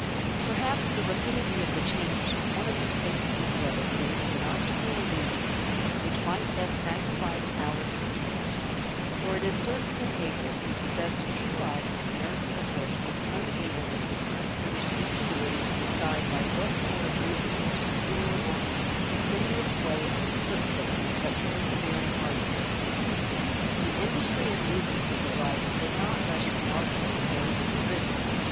Perhaps the rapidity of the changes from one of these paces to the other created an optical illusion, which might thus magnify the powers of the beast; for it is certain that Heyward, who possessed a true eye for the merits of a horse, was unable, with his utmost ingenuity, to decide by what sort of movement his pursuer worked his sinuous way on his footsteps with such persevering hardihood. The industry and movements of the rider were not less remarkable than those of the ridden.